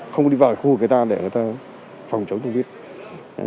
không đi vào khu người ta để người ta phòng chống dịch